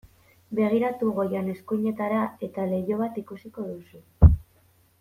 Begiratu goian eskuinetara eta leiho bat ikusiko duzu.